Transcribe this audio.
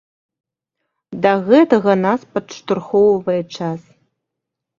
Да гэтага нас падштурхоўвае час.